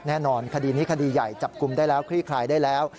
แน่นอนคดีนี้คดีใหญ่จับกลุ่มได้แล้วคลี่คลายได้แล้ว